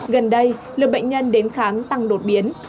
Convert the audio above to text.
gần đây lượng bệnh nhân đến khám tăng đột biến